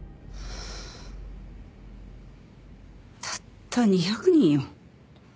たった２００人よ。